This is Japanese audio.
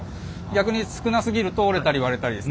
逆に少なすぎると折れたり割れたりですね。